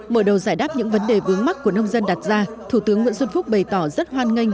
mở đầu giải đáp những vấn đề vướng mắt của nông dân đặt ra thủ tướng nguyễn xuân phúc bày tỏ rất hoan nghênh